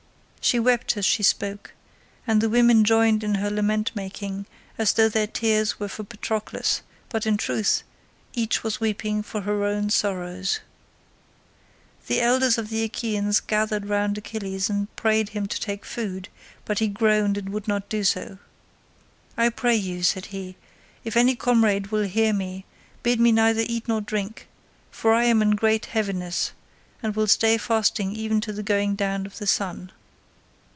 She wept as she spoke, and the women joined in her lament making as though their tears were for Patroclus, but in truth each was weeping for her own sorrows. The elders of the Achaeans gathered round Achilles and prayed him to take food, but he groaned and would not do so. "I pray you," said he, "if any comrade will hear me, bid me neither eat nor drink, for I am in great heaviness, and will stay fasting even to the going down of the sun."